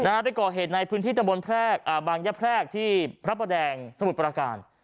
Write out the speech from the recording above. ไปก่อเหตุในพื้นที่ตะบนแพรกอ่าบางยะแพรกที่พระประแดงสมุทรประการ